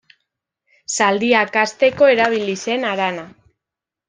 Zaldiak hazteko erabili zen harana.